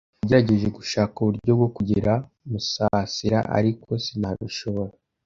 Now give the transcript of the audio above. nagerageje gushaka uburyo bwo kugera Musasira, ariko sinabishobora.